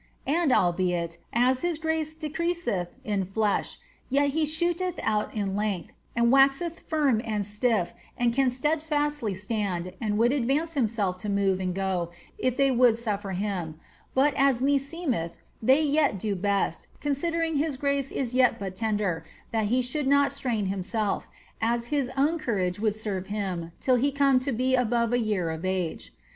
And albeit, as his grace decreaseth in flesh, yet he shooteth out in length, and waxeth firm and stif, and can steadfastly stand, and would advance himself to move and go, if they would suffer him ; but, as me seemeth, they yet do beit, considering his grace is yet but tender, that he should not strain himself, as his own courage would serve him, till he come to be above a year of age.